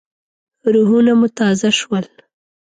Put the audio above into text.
روحونه مو تازه شول.